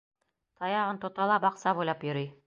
Таяғын тота ла баҡса буйлап йөрөй.